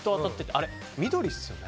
あれ緑ですよね。